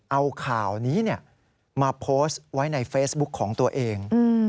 เอาข่าวนี้มาโพสต์ไว้ในเฟซบุ๊คของตัวเอง